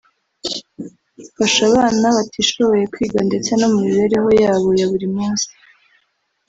ufasha abana batishoboye kwiga ndetse no mu mibereho yabo ya buri munsi